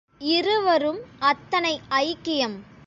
இருவரும் அத்தனை ஐக்கியம்!